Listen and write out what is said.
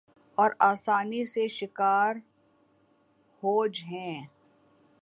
اور آسانی سے شکار ہو ج ہیں